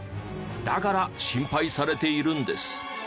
だから心配されているんです。